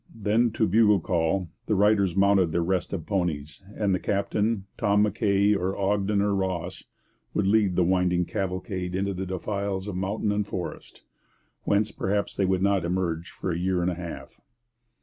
Then to bugle call the riders mounted their restive ponies, and the captain Tom Mackay or Ogden or Ross would lead the winding cavalcade into the defiles of mountain and forest, whence perhaps they would not emerge for a year and a half.